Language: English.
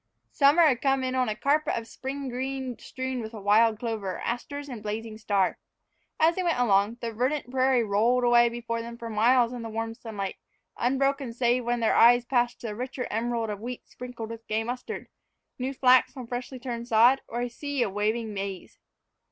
Summer had come in on a carpet of spring green strewn with wild clover, asters, and blazing star. And as they went along, the verdant prairie rolled away before them for miles in the warm sunlight, unbroken save where their eyes passed to the richer emerald of wheat sprinkled with gay mustard, new flax on freshly turned sod, or a sea of waving maize.